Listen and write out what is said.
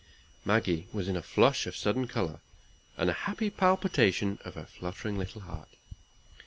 Maggie was in a flush of sudden color, and a happy palpitation of her fluttering little heart.